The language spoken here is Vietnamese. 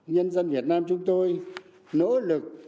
nhân dân việt nam chúng tôi nỗ lực